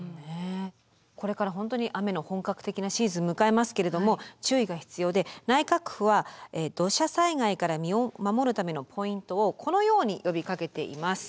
これから本当に雨の本格的なシーズン迎えますけれども注意が必要で内閣府は土砂災害から身を守るためのポイントをこのように呼びかけています。